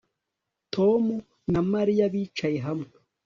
Tom na Mariya bicaye hamwe